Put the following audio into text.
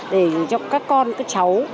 để cho các con các cháu